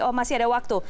oh masih ada waktu